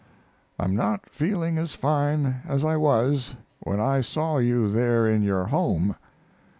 I'm not feeling as fine as I was when I saw you there in your home.